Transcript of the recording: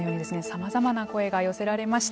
さまざまな声が寄せられました。